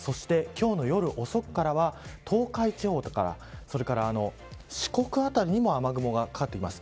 今日の夜遅くからは東海地方とか四国辺りにも雨雲がかかってきます。